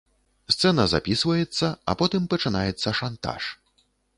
Сцэна запісваецца, а потым пачынаецца шантаж.